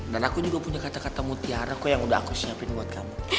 dan aku juga punya kata kata mu tiara kok yang udah aku siapin buat kamu